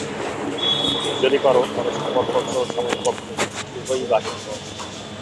যদি পার তবে সংবাদপত্র ও সাময়িকপত্র উভয়ই বাহির কর।